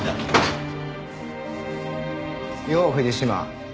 よっ藤島。